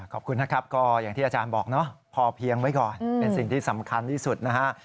ขอบคุณนะครับก็อย่างที่อาจารย์บอกเนาะพอเพียงไว้ก่อนเป็นสิ่งที่สำคัญที่สุดนะฮะ